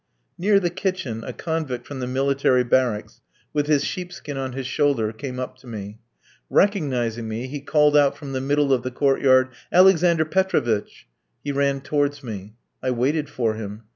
Near the kitchen, a convict from the military barracks, with his sheepskin on his shoulder, came up to me. Recognising me, he called out from the middle of the court yard, "Alexander Petrovitch." He ran towards me. I waited for him.